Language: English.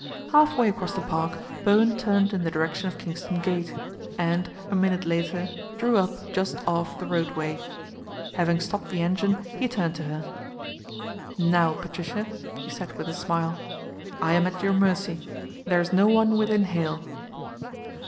Half way across the Park Bowen turned in the direction of Kingston Gate and, a minute later, drew up just off the roadway. Having stopped the engine he turned to her. " Now, Patricia," he said with a smile, " I am at your mercy. There is no one within hail."